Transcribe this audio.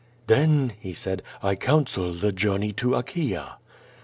"Then," he said, "I counsel the journey to Achaea."